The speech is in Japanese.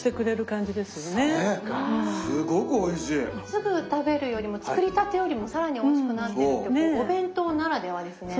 すぐ食べるよりも作りたてよりも更においしくなってるってお弁当ならではですね。